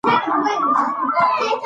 نوښت وکړئ.